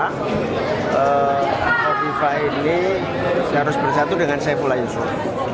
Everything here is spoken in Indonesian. pak kofifa ini harus bersatu dengan saifullah yusuf